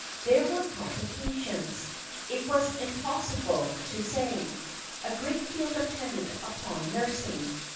There were complications. It was impossible to say. A great deal depended upon nursing.